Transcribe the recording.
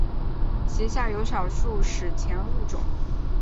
其下有少数史前物种。